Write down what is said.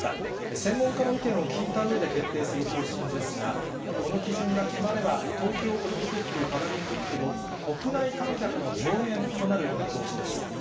専門家の意見を聞いたうえで決定する方針ですが、この基準が決まれば、東京オリンピック・パラリンピックの国内観客の上限となる見通しです。